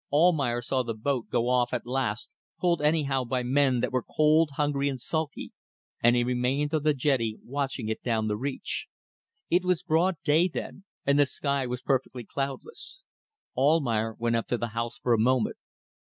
Almayer saw the boat go off at last, pulled anyhow by men that were cold, hungry, and sulky; and he remained on the jetty watching it down the reach. It was broad day then, and the sky was perfectly cloudless. Almayer went up to the house for a moment.